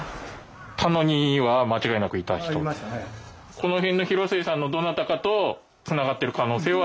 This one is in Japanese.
この辺の広末さんのどなたかとつながってる可能性は？